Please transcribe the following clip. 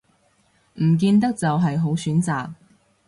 唔見得就係好選擇